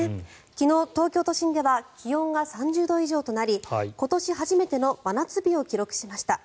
昨日、東京都心では気温が３０度以上となり今年初めての真夏日を記録しました。